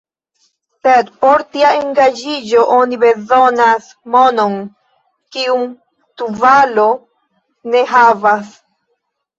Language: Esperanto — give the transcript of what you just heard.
Sed por tia engaĝiĝo oni bezonas monon, kiun Tuvalo ne havas.